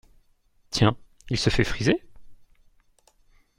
Tiens… il se fait friser ?…